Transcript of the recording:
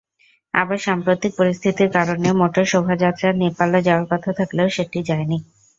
আবার সাম্প্রতিক পরিস্থিতির কারণে মোটর শোভাযাত্রার নেপাল যাওয়ার কথা থাকলেও সেটি যায়নি।